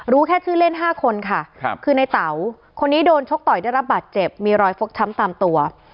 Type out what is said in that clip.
แค่ชื่อเล่น๕คนค่ะคือในเต๋าคนนี้โดนชกต่อยได้รับบาดเจ็บมีรอยฟกช้ำตามตัว